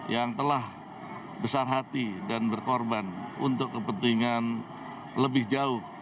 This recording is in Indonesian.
yang telah besar hati dan berkorban untuk kepentingan lebih jauh